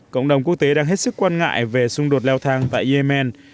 cộng đồng quốc tế đang hết sức quan ngại về xung đột leo thang tại yemen